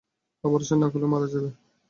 Operation না করলে মারা যাবে।